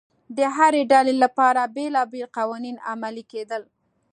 د هرې ډلې لپاره بېلابېل قوانین عملي کېدل